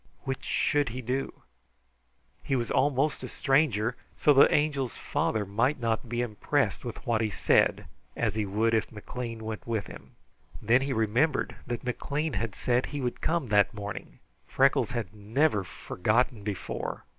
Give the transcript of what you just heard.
Which should he do? He was almost a stranger, so the Angel's father might not be impressed with what he said as he would if McLean went to him. Then he remembered that McLean had said he would come that morning. Freckles never had forgotten before.